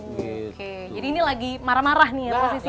oke jadi ini lagi marah marah nih ya posisinya